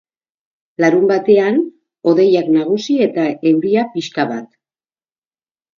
Larunbatean, hodeiak nagusi, eta euria pixka bat.